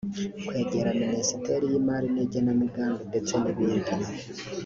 kwegera Minisiteri y’Imari n’Igenamigambi ndetse n’ibindi